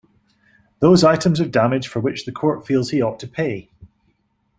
Those items of damage for which the court feels he ought to pay.